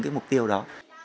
cái mục tiêu đó